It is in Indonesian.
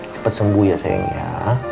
cepat sembuh ya sayangnya